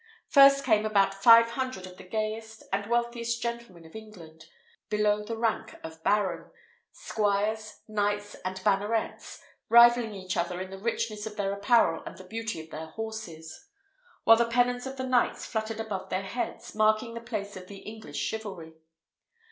First came about five hundred of the gayest and wealthiest gentlemen of England, below the rank of baron; squires, knights, and bannerets, rivalling each other in the richness of their apparel and the beauty of their horses; while the pennons of the knights fluttered above their heads, marking the place of the English chivalry.